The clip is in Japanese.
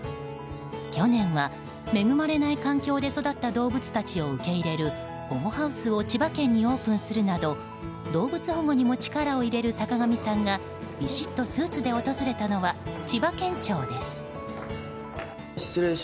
去年は、恵まれない環境で育った動物たちを受け入れる保護ハウスを千葉県にオープンするなど動物保護にも力を入れる坂上さんがビシッとスーツで訪れたのは千葉県庁です。